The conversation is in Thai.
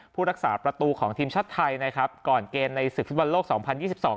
ผู้รักษาประตูของทีมชาติไทยนะครับก่อนเกมในศึกฟุตบอลโลกสองพันยี่สิบสอง